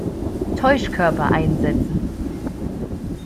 Täuschkörper einsetzen!